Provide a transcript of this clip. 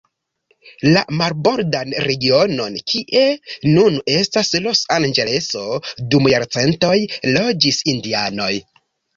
La marbordan regionon, kie nun estas Los Anĝeleso, dum jarcentoj loĝis indianoj.